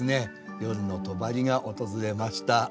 夜のとばりが訪れました。